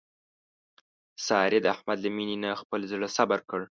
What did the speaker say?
سارې د احمد له مینې نه خپل زړه صبر کړ.